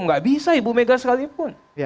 nggak bisa ibu mega sekalipun